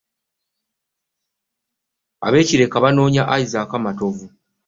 Ab'e Kireka bakyanoonya Isaac Matovu.